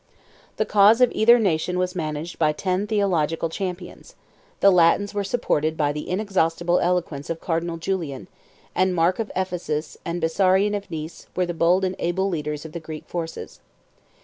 The cause of either nation was managed by ten theological champions: the Latins were supported by the inexhaustible eloquence of Cardinal Julian; and Mark of Ephesus and Bessarion of Nice were the bold and able leaders of the Greek forces.